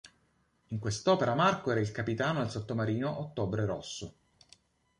In quest'opera Marko era il capitano del sottomarino "Ottobre Rosso".